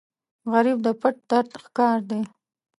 غریب د پټ درد ښکار دی